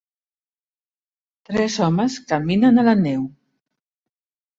tres homes caminen a la neu.